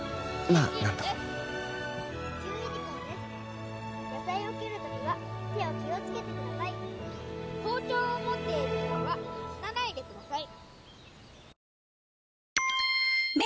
野菜を切る時は手を気をつけてください包丁を持っている時は走らないでくださいＲｅａｄｙｇｏ！